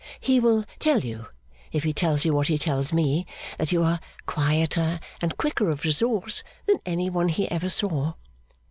'He will tell you, if he tells you what he tells me, that you are quieter and quicker of resource than any one he ever saw.